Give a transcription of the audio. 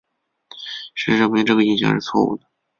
事实证明这个影像是错误的。